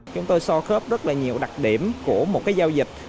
chúng tôi so khớp rất là nhiều đặc điểm của một giao dịch